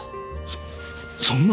そそんな！